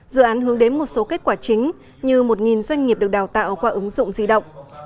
dự án hướng đến một số kết quả chính như một doanh nghiệp được đào tạo qua ứng dụng di động